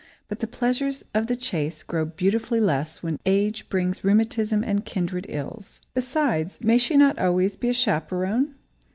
But the pleasures of the chase grow beautifully less when age brings rheumatism and kindred ills. Besides, may she not always be a chaperone?